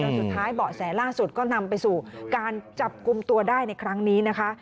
สุดท้ายเบาะแสล่าสุดก็นำไปสู่การจับกลุ่มตัวได้ในครั้งนี้นะคะ